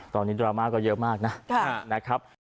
ตอนนี้ดราม่าก็เยอะมากนะครับ